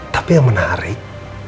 tapi yang menarik